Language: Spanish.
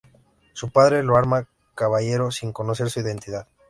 Su padre lo arma caballero sin conocer su identidad.